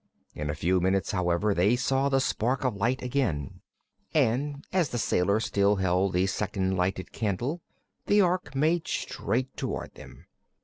In a few minutes, however, they saw the spark of light again, and as the sailor still held the second lighted candle the Ork made straight toward them.